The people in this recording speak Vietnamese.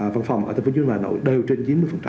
văn phòng ở tp hcm đều trên chín mươi